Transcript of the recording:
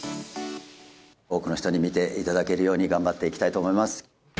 多くの人に見ていただけるように頑張っていきたいと思います。